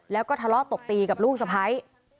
แล้วก็ทะเลาะตบตีกับลูกสะพ้าย